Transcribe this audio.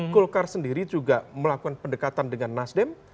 golkar sendiri juga melakukan pendekatan dengan nasdem